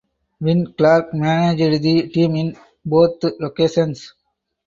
Win Clark managed the team in both locations.